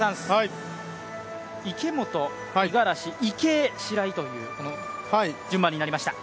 池本、五十嵐、池江、白井というこの順番になりました。